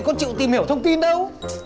có chịu tìm hiểu thông tin đâu